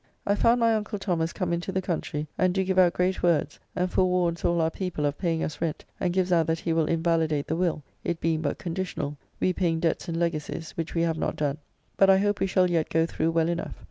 I found my uncle Thomas come into the country, and do give out great words, and forwarns all our people of paying us rent, and gives out that he will invalidate the Will, it being but conditional, we paying debts and legacies, which we have not done, but I hope we shall yet go through well enough.